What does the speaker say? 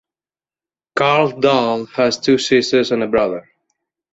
Karl Dall has two sisters and a brother.